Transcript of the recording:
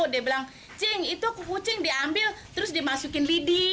dia bilang cing itu kucing diambil terus dimasukin lidi